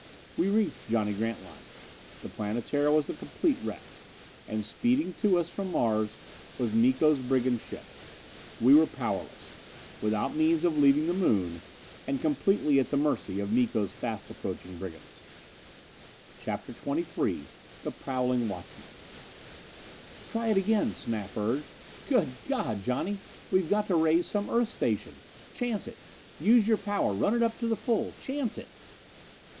We reached Johnny Grantline. The Planetara was a complete wreck. And, speeding to us from Mars, was Miko's brigand ship. We were powerless without means of leaving the Moon and completely at the mercy of Miko's fast approaching brigands! CHAPTER XXIII The Prowling Watchman "Try it again," Snap urged. "Good God, Johnny, we've got to raise some Earth station! Chance it! Use your power run it up to the full. Chance it!"